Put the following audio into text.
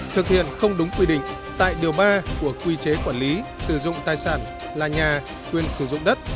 thực hiện không đúng quy định tại điều ba của quy chế quản lý sử dụng tài sản là nhà quyền sử dụng đất